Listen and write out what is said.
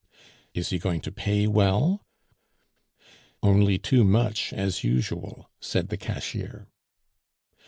"Is he going to pay well?" "Only too much as usual," said the cashier.